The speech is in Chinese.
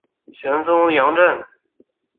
玄孙杨震。